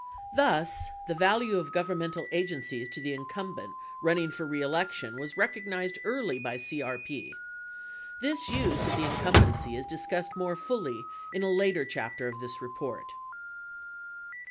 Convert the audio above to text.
33 Thus, the value of governmental agencies to the incumbent running for reelection was recognized early by CRP. This use of the incum bency is discussed more fully in a later chapter of this report.